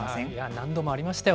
何度もありましたよ。